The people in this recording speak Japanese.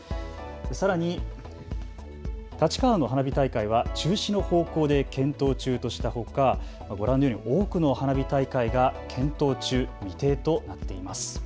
さらに立川の花火大会は中止の方向で検討中としたほかご覧のように多くの花火大会が検討中、未定となっています。